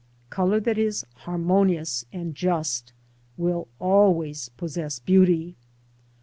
Colour that is harmonious and just will always possess beauty.